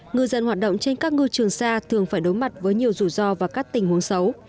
ngư dân hoạt động trên các ngư trường xa thường phải đối mặt với nhiều rủi ro và các tình huống xấu